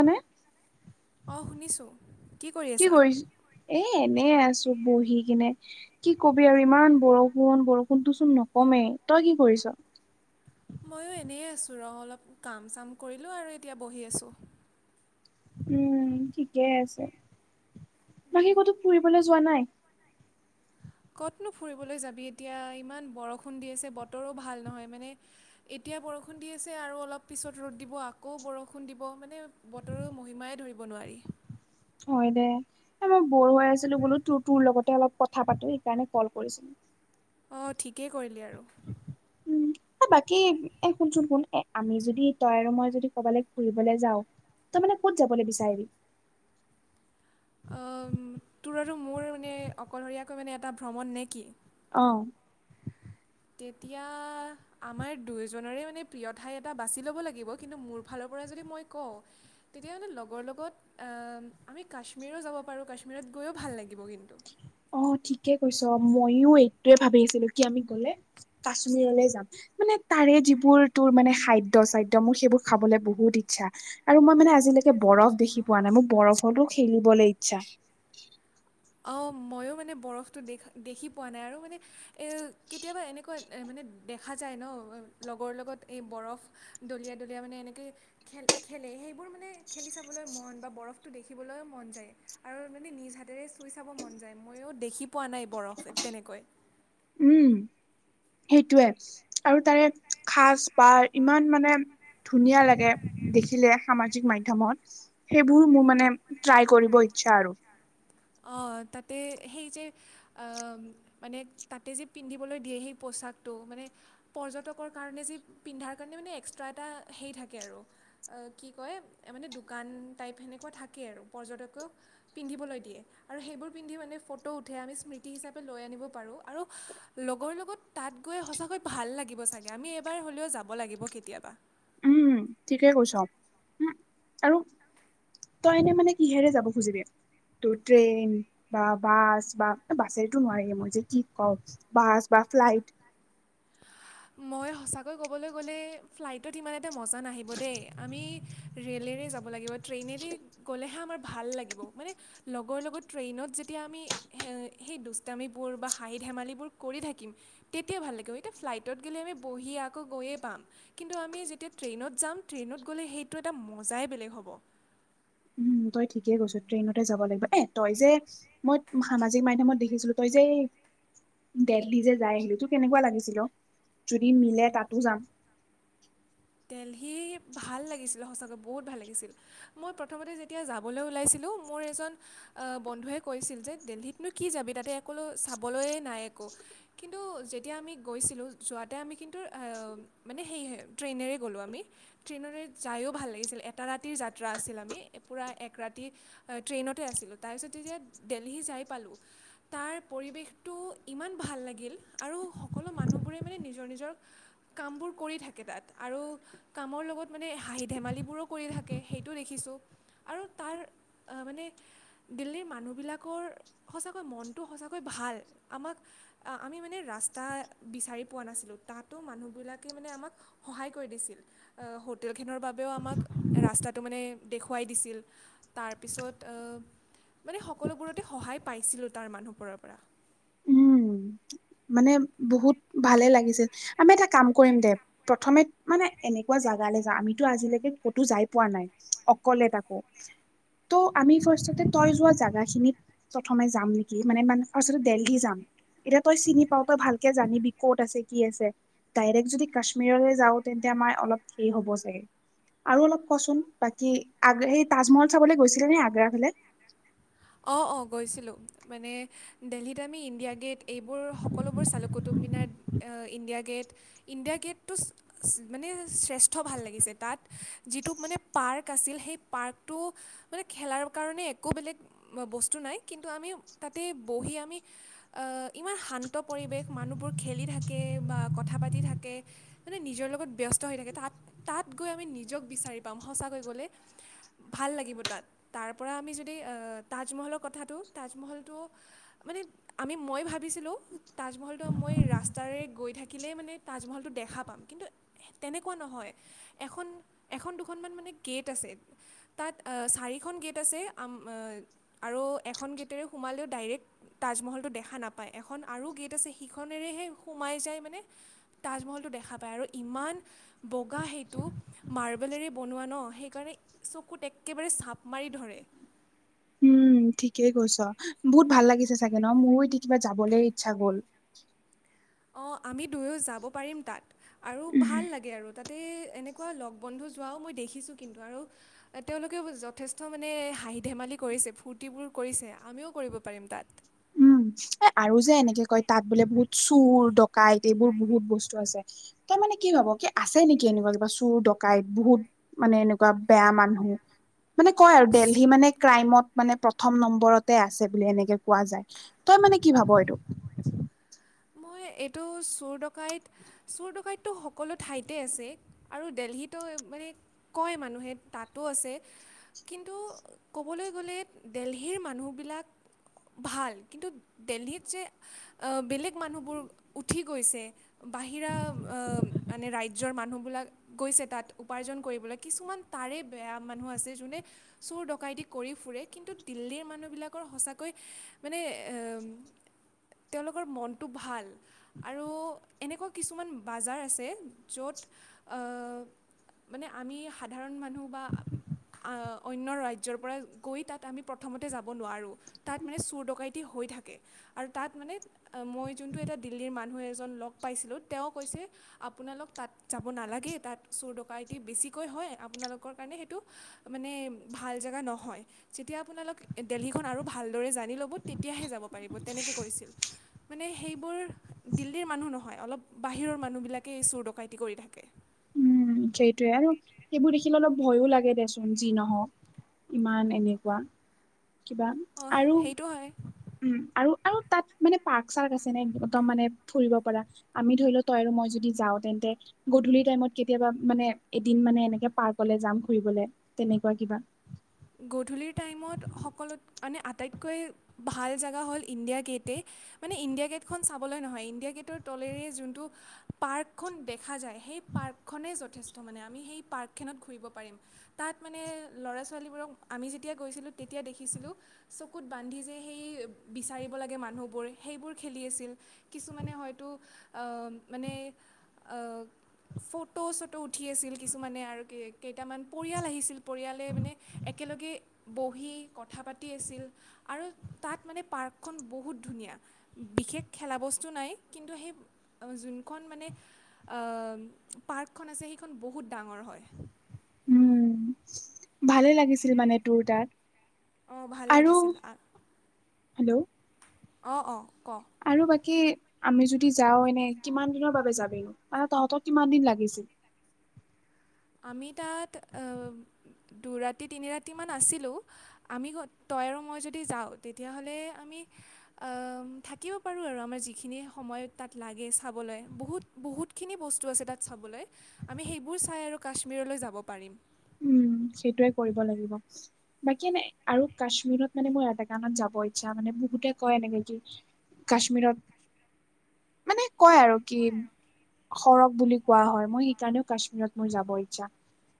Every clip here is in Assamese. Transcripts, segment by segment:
মানে অ শুনিছো। কি কৰি আছা? এ এনেই আছো বহি কিনে। কি কবি আৰু ইমান বৰষুণ বৰষুণটোচোন নকমেই তই কি কৰিছ ময়ো এনেই আছোঁ ৰ অলপ কাম চাম কৰিলোঁ আৰু এতিয়া বহি আছোঁ উম ঠিকেই আছে বাকী ক'তো ফুৰিবলৈ যোৱা নাই ক'তনো ফুৰিবলৈ যাবি এতিয়া ইমান বৰষুণ দি আছে বতৰো ভাল নহয় মানে এতিয়া বৰষুণ দি আছে আৰু অলপ পিছত ৰ'দ দিব আকৌ বৰষুণ দিব মানে বতৰো মহিমাই ধৰিব নোৱাৰি হয় দে এ মই বৰ হৈ আছিলো বোলো ত তোৰ লগতে অলপ কথা পাতো সেইকাৰণে কল কৰিছিলো অঁ ঠিকেই কৰিলি আৰু উম এ বাকী এ শুনচোন শুন এ আমি যদি তই আৰু মই যদি কৰবালে ফুৰিবলে যাও তই মানে ক'ত যাবলে বিচাৰিবি অ উম তোৰ আৰু মোৰ মানে অকলশৰীয়াকৈ মানে এটা ভ্ৰমণ নে কি অ তেতিয়াহ আমাৰ দুয়োজনৰে মানে প্ৰিয় ঠাই এটা বাছি ল'ব লাগিব কিন্তু মোৰ ফালৰ পৰা যদি মই কওঁ তেতিয়াহলে লগৰ লগত আ ম আমি কাশ্মীৰো যাব পাৰোঁ কাশ্মীৰত গৈও ভাল লাগিব কিন্তু অ ঠিকে কৈছ মইয়ো এইটোৱে ভাবি আছিলো কি আমি গলে কাশ্মীৰলে যাম মানে তাৰে যিবোৰ তোৰ মানে খাদ্য চাদ্য মোৰ সেইবোৰ খাবলে বহুত ইচ্ছা আৰু মই মানে আজিলৈকে বৰফ দেখি পোৱা নাই মোক বৰফতো খেলিবলে ইচ্ছা অঁ ময়ো মানে বৰফটো দেখা দেখি পোৱা নাই আৰু মানে এ কেতিয়াবা এনেকুৱা এ মানে দেখা যায় ন লগৰ লগত এই বৰফ দলীয়াই দলীয়াই মানে এনেকেই খেল খেলে সেইবোৰ মানে খেলি চাবলৈ মন বা বৰফটো দেখিবলৈ মন যায় আৰু মানে নিজ হাতেৰে চুই চাব মন যায় ময়ো দেখি পোৱা নাই বৰফ তেনেকৈ উম সেইটোৱে আৰু তাৰে খাজ পাৰ ইমান মানে ধুনীয়া লাগে দেখিলে সামাজিক মাধ্যয়মত সেইবোৰ মোৰ মানে ট্ৰাই কৰিব ইচ্ছা আৰু অ তাতে সেই যে আ মানে তাতে যে পিন্ধিবলৈ দিয়ে সেই পচাকটো মানে পৰ্যটকৰ কাৰণে যে পিন্ধাৰ কাৰণে মানে এক্সট্ৰা এটা হেই থাকে আৰু অ কি কয় এ মানে দোকান টাইপ সেনেকুৱা থাকে আৰু পৰ্যটকও পিন্ধিবলৈ দিয়ে আৰু সেইবোৰ পিন্ধি মানে ফটো উঠে আমি স্মৃতি হিচাপে লৈ আনিব পাৰোঁ আৰু লগৰ লগত তাত গৈ সঁচাকৈ ভাল লাগিব চাগে আমি এবাৰ হ'লেও যাব লাগিব কেতিয়াবা উম ঠিকে কৈছ উ আৰু তই এনে মানে কিহেৰে যাব খুজিবি তোৰ ট্ৰেইন বা বাছ বা বাছেটো নোৱাৰিবি মই যে কি কওঁ বাছ বা ফ্লাইট মই সঁচাকৈ ক'বলৈ গ'লে ফ্লাইটত ইমান এটা মজা নাহিব দেই আমি ৰেলেৰে যাব লাগিব ট্ৰেইনেৰে গ'লেহে আমাৰ ভাল লাগিব মানে লগৰ লগত ট্ৰেইনত যেতিয়া আমি হে সেই দুষ্টামিবোৰ বা হাঁহি ধেমালিবোৰ কৰি থাকিম তেতিয়া ভাল লাগিব এই তে ফ্লাইটত গ'লে আমি বহি আকৌ গৈয়ে পাম কিন্তু আমি যেতিয়া ট্ৰেইনত যাম ট্ৰেইনত গ'লে সেইটো এটা মজাই বেলেগ হ'ব উম তই ঠিকেই কৈছ ট্ৰেইনতে যাব লাগিব এ তই যে মই সামাজিক মাধ্যমত দেখিছিলো। তই যে এই দেল্হি যে যাই আহিলি তোৰ কেনেকুৱা লাগিছিল অ? যদি মিলে তাতো যাম। দেল্হি ভাল লাগিছিল সঁচাকৈ বহুত ভাল লাগিছিল। মই প্ৰথমতে যেতিয়া যাবলৈ ওলাইছিলোঁ, মোৰ এজন- বন্ধুৱে কৈছিল যে দেল্হিতনো কি যাবি তাতে একোলো চাবলৈয়ে নাই একো। কিন্তু যেতিয়া আমি গৈছিলোঁ, যোৱাতে আমি কিন্তু আ মানে সেয়হে- ট্ৰেইনেৰে গ'লোঁ আমি। ট্ৰেইনেৰে যায়ো ভাল লাগিছিল, এটা ৰাতিৰ যাত্ৰা আছিল আমি পোৰা এক ৰাতি- ট্ৰেইনতে আছিলোঁ। তাৰপিছত যেতিয়া দেল্হি যাই পালোঁ, তাৰ পৰিৱেশটো ইমান ভাল লাগিল, আৰু সকলো মানুহবোৰে মানে নিজৰ নিজৰ- কামবোৰ কৰি থাকে তাত। আৰু কামৰ লগত মানে হাঁহি ধেমালিবোৰো কৰি থাকে, সেইটো দেখিছোঁ। আৰু তাৰ মানে- দিল্লীৰ মানুহবিলাকৰ সঁচাকৈ মনটো সঁচাকৈ ভাল। আমাক- আমি মানে ৰাস্তা বিচাৰি পোৱা নাছিলো, তাতো মানুহবিলাকে মানে আমাক- সহায় কৰি দিছিল। হোটেলখনৰ বাবেও আমাক ৰাস্তাটো মানে দেখুৱাই দিছিল। তাৰপিছত আ মানে সকলোবোৰতে সহায় পাইছিলোঁ তাৰ মানুহবোৰৰ পৰা। উম মানে বহুত ভালে লাগিছিল। আমি এটা কাম- কৰিম দে। প্ৰথমে মানে এনেকুৱা জাগালৈ যাম আমিতো আজিলৈকে ক'তো যাই পোৱা নাই। অকলে তাকো। ত' আমি ফাৰ্ষ্টতে তই যোৱা জাগা খিনিত, প্ৰথমে যাম নেকি, মানে মানে ফাৰ্ষ্ট দেল্হি যাম। এতিয়া তই চিনি পাও। তই ভালকে জানিবি ক'ত আছে কি আছে। ডাইৰেক্ট যদি কাশ্মীৰলৈ যাওঁ তেন্তে আমাৰ অলপ হেৰি হ'ব চাগে। আৰু অলপ কচোন বাকী আগ সেই তাজমহল চাবলৈ গৈছিলে নে আগ্ৰা ফালে? অঁ অঁ গৈছিলোঁ। মানে দেল্হিত আমি ইণ্ডিয়া গেট- এইবোৰ সকলোবোৰ চালোঁ। কুটুমমিনাৰ, ইণ্ডিয়া গেট, ইণ্ডিয়া গেটটো- মানে শ্ৰেষ্ঠ ভাল লাগিছে। তাত যিটো মানে পাৰ্ক আছিল, সেই পাৰ্কটো- মানে খেলাৰ কাৰণে একো বেলেগ বস্তু নাই। কিন্তু আমি তাতে বহি আমি ইমান শান্ত পৰিৱেশ, মানুহবোৰ খেলি থাকে, বা কথা পাতি থাকে, মানে নিজৰ লগত ব্যস্ত হৈ থাকে। তাত তাত গৈ আমি নিজক বিচাৰি পাম সঁচাকৈ গ'লে। ভাল লাগিব তাত। তাৰ পৰা আমি যদি তাজমহলৰ কথাটো তাজমহলটো, মানে আমি মই ভাবিছিলোঁ তাজমহলটো মই ৰাস্তাৰে গৈ থাকিলেই মানে- তাজমহলটো দেখা পাম। কিন্তু, তেনেকুৱা নহয়। এখন এখন দুখনমান মানে গেট আছে। তাত আ চাৰিখন গেট আছে। আৰু এখন গেটেৰে সোমালেও ডাইৰেক্ট তাজমহলটো দেখা নাপায়। এখন আৰু গেট আছে সিখনেৰেহে সোমাই যায় মানে, তাজমহলটো দেখা পায়। আৰু ইমান বগা সেইটো। মাৰ্বলেৰে বনোৱা ন, সেইকাৰণে চকুত একেবাৰে চাপ মাৰি ধৰে। উম ঠিকেই কৈছ। বহুত ভাল লাগিছে চাগে ন মোৰো এতিয়া কিবা যাবলৈ ইচ্ছা গ'ল। অঁ আমি দুয়ো যাব পাৰিম তাত। আৰু ভাল লাগে আৰু তাত- তাতে এনেকুৱা লগ বন্ধু যোৱাও মই দেখিছোঁ কিন্তু আৰু, তেওঁলোকেও যথেষ্ট মানে হাঁহি ধেমালি কৰিছে, ফূৰ্তিবোৰ কৰিছে, আমিও কৰিব পাৰিম তাত। উম, এ আৰু যে এনেকে কয় তাত বোলে বহুত চুৰ, ডকাইত, এইবোৰ বহুত বস্তু আছে। তাৰ মানে কি ভাব কি আছে নেকি এনেকুৱা কিবা চোৰ ডকাইত বহুত? মানে এনেকুৱা বেয়া মানুহ মানে কয় আৰু দেলহি মানে ক্ৰাইমত মানে প্ৰথম নম্বৰতে আছে বুলি এনেকে কোৱা যায়। তই মানে কি ভাব এইটো? মই এইটো চোৰ ডকাইত চোৰ ডোকাইতটো সকলো ঠাইতে আছে আৰু দেলহিটো মানে কয় মানুহে তাতো আছে। কিন্তু ক'বলৈ গ'লে দেলহিৰ মানুহবিলাক ভাল কিন্তু দেলহিত যে আ বেলেগ মানুহবোৰ উঠি গৈছে। বাহিৰা আ মানে ৰাজ্যৰ মানুহবিলাক গৈছে, তাত উপাৰ্জন কৰিবলৈ কিছুমান তাৰে বেয়া মানুহ আছে যোনে চোৰ ডকাইতি কৰি ফুৰে কিন্তু দিল্লীৰ মানুহবিলাকৰ সঁচাকৈ মানে এম তেওঁলোকৰ মন টো ভাল আৰু এনেকুৱা কিছুমান বাজাৰ আছে, য'ত আ মানে আমি সাধাৰণ মানুহ বা আ অন্য ৰাজ্যৰ পৰা গৈ তাত আমি প্ৰথমতে যাব নোৱাৰোঁ। তাত মানে চোৰ ডকাইটি হৈ থাকে আৰু তাত মানে আ মই যোনটো এটা দিল্লীৰ মানুহ এজন লগ পাইছিলোঁ তেওঁ কৈছে আপোনালোক তাত যাব নালাগে, তাত চোৰ ডকাইটি বেছিকৈ হয়। আপোনালোকৰ কাৰণে সেইটো মানে ভাল জেগা নহয়। যেতিয়া আপোনালোক দেলহিখন আৰু ভালদৰে জানি ল'ব তেতিয়াহে যাব পাৰিব তেনেকে কৈছিল। মনে সেইবোৰ দিল্লীৰ মানুহ নহয় অলপ বাহিৰৰ মানুহবিলাকেই চোৰ ডকাইটি কৰি থাকে। যেইটোয়ে আৰু সেইবোৰ দেখিলে অলপ ভয়ো লাগে দেচোন যি নহওক। ইমান এনেকুৱা কিবা অঁ আৰু সেইটো হয় উম আৰু, আৰুত তাত মানে পাৰ্ক চাৰ্ক আছে নে একদম মানে ফুৰিব পাৰা আমি ধৰি ল তই আৰু মই যদি যাওঁ তেন্তে গধূলি টাইমত কেত- কেতিয়াবা মানে এদিন মানে এনেকে পাৰ্কলে যাম ফুৰিবলে তেনেকুৱা কিবা? গধূলিৰ টাইমত সকলোত মানে আটাইতকৈ ভাল জেগা হ'ল ইণ্ডিয়া গেইটেই মানে ইণ্ডিয়া গেটখন চাবলৈ নহয় ইণ্ডিয়া গেটৰ তলেৰে যোনটো পাৰ্কখন দেখা যায়, সেই পাৰ্কখনেই যথেষ্ট মানে আমি সেই পাৰ্কখেনত ঘূৰিব পাৰিম। তাত মানে ল'ৰা-ছোৱালীবোৰক আমি যেতিয়া গৈছিলোঁ তেতিয়া দেখিছিলোঁ চকুত বান্ধি যে সেই বিচাৰিব লাগে মানুহবোৰ সেইবোৰ খেলি আছিল। কিছুমানে হয়তো অ মানে অ ফটো চটো উঠি আছিল কিছুমানে আৰু কেই কেইটামান পৰিয়াল আহিছিল, পৰিয়ালে মানে একেলগে বহি কথা পাতি আছিল আৰু তাত মানে পাৰ্কখন বহুত ধুনীয়া। বিশেষ খেলা বস্তু নাই কিন্তু সেই যোনখন মানে আ পাৰ্কখন আছে সেইখন বহুত ডাঙৰ হয়। উম ভালে লাগিছিল মানে তোৰ তাত অঁ ভাল আৰু হেল্ল' অ অ, ক? আৰু বাকী আমি যদি যাওঁ এনে কিমান দিনৰ বাবে যাবিনো। মানে তহঁতৰ কিমান দিন লাগিছিল? আমি তাত আ দুৰাতি তিনি ৰাতিমান আছিলো। আমি গত তই আৰু মই যদি যাওঁ তেতিয়া হ'লে আমি আ থাকিব পাৰোঁ আৰু আমাৰ যিখিনি সময় তাত লাগে চাবলৈ বহুত বহুতখিনি বস্তু আছে তাত চাবলৈ আমি সেইবোৰ চাই আৰু কাশ্মীৰলৈ যাব পাৰিম। উম, সেইটোৱে কৰিব লাগিব। বাকী নাই আৰু কাশ্মীৰত মানে মোৰ এটা কানত যাব ইচ্ছা মানে বহুতে কয় এনেকে যে কাশ্মীৰত মানে কয় আৰু কি সৰগ বুলি কোৱা হয়। মই সেইকাৰণেও কাশ্মীৰত মোৰ যাবৰ ইচ্ছা,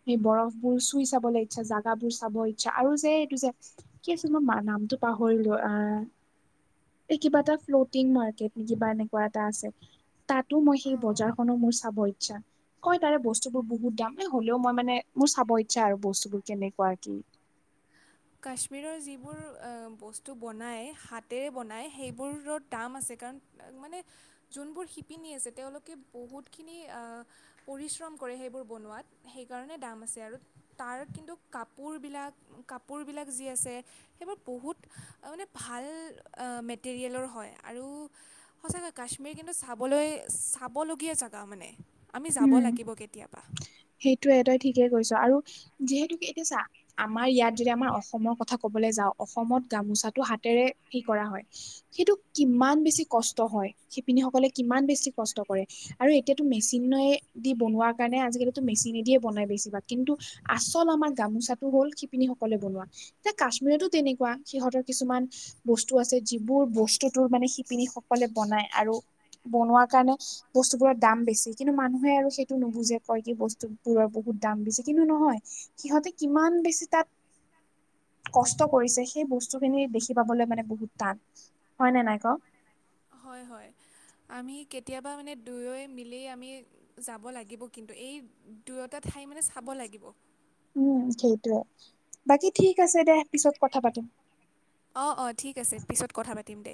সেই বৰফ বোৰ চুই চাবলৈ ইচ্ছা, জাগাবোৰ চাব ইচ্ছা আৰু যে এইটো যে কি আছিল মই মাৰ নামটো পাহৰিলোঁ আ এই কিবা এটা ফ্লটিং মাৰ্কেট নি কিবা এনেকুৱা এটা আছে? তাতো মই সেই পাৰিম বজাৰখনো মোৰ চাব ইচ্ছা, কয় তাৰে বস্তুবোৰ বহুত দাম এ হ'লেও মই মানে মোৰ চাব ইচ্ছা আৰু বস্তুবোৰ কেনেকুৱা কি? কাশ্মীৰৰ যিবোৰ এ বস্তু বনায় হাতেৰে বনায় সেইবোৰৰ দাম আছে কাৰণ আ মানে যোনবোৰ শিপিনী আছে, তেওঁলোকে বহুতখিনি আ পৰিশ্ৰম কৰে সেইবোৰ বনোৱাত সেইকাৰণে দাম আছে আৰু তাৰ কিন্তু কাপোৰবিলাক - কাপোৰবিলাক যি আছে সেইবোৰ বহুত আ মানে ভাল আ মেটেৰিয়েলৰ হয় আৰু সঁচাকৈ কাশ্মীৰ কিন্তু চাবলৈ চাবলগীয়া জেগা মানে। আমি যাব উম লাগিব কেতিয়াবা। সেইটোয়ে তই ঠিকে কৈছ আৰু যিহেতুক এতিয়া চা আমাৰ ইয়াত যদি আমাৰ অসমৰ কথা ক'বলৈ যাওঁ। অসমত গামোচাটো হাতেৰে সেই কৰা হয় সেইটো কিমান বেছি কষ্ট হয়, শিপিনীসকলে কিমান বেছি কষ্ট কৰে। আৰু এতিয়াতো মেচিনে দি বনোৱাৰ কাৰণে আজিকালিতো মেচিনেদিয়ে বনাই বেছিভাগ কিন্তু আচল আমাৰ গামোচাটো হ'ল শিপিনীসকলে বনোৱা। এতিয়া কাশ্মীৰতো তেনেকুৱা সিহঁতৰ কিছুমান বস্তু আছে যিবোৰ বস্তুতো মানে শিপিনীসকলে বনাই আৰু বনোৱাৰ কাৰণে বস্তুবোৰৰ দাম বেছি। কিন্তু মানুহে আৰু সেইটো নুবুজে, কয় কি বস্তুবোৰৰ বহুত দাম বেছি কিন্তু নহয় সিহঁতে কিমান বেছি তাত কষ্ট কৰিছে, সেই বস্তুখিনি দেখি পাবলৈ মানে বহুত টান, হয় নে নাই ক? হয় হয়, আমি কেতিয়াবা মানে দুয়ই মিলি আমি যাব লাগিব কিন্তু এই দুয়োটা ঠাই মানে চাব লাগিব। উম সেইটোয়ে। বাকী ঠিক আছে দে পিছত কথা পাতিম। অ অ ঠিক আছে, পিছত কথা পাতিম দে।